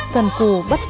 cần cù bất kỳ